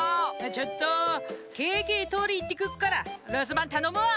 ちょっとケーキとりいってくっからるすばんたのむわ。